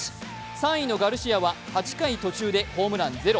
３位のガルシアは８回途中でホームランゼロ。